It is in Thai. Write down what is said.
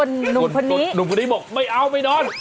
หนุ่มคนนี้หนุ่มคนนี้บอกไม่เอาไม่นอน